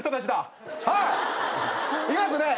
いますね。